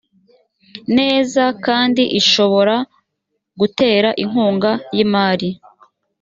neza kandi ishobora gutera inkunga y imari